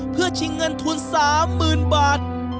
เพื่อชิงเงินทุน๓๐๐๐บาท